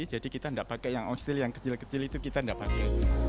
jadi kita tidak pakai yang ostil yang kecil kecil itu kita tidak pakai